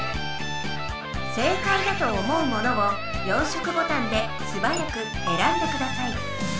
正解だと思うものを４色ボタンですばやくえらんでください。